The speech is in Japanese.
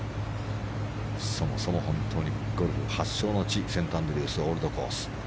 そもそも本当にゴルフ発祥の地セントアンドリュース・オールドコース。